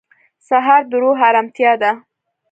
سهار د روح ارامتیا ده.